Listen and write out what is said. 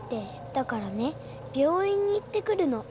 だからね病院に行ってくるの。